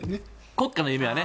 国家の夢はね。